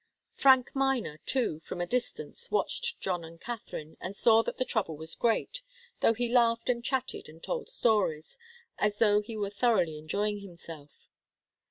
Frank Miner, too, from a distance, watched John and Katharine, and saw that the trouble was great, though he laughed and chatted and told stories, as though he were thoroughly enjoying himself.